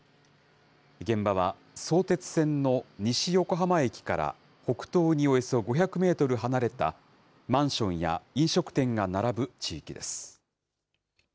現場は、相鉄線の西横浜駅から北東におよそ５００メートル離れた、マンションや飲食店が並ぶ地域です。